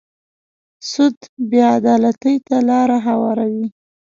سود بې عدالتۍ ته لاره هواروي.